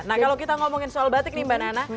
nah kalau kita ngomongin soal batik nih mbak nana